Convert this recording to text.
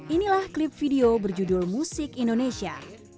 inilah klip video berjudul musik indonesia